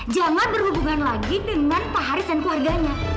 jangan berhubungan lagi dengan pak haris dan keluarganya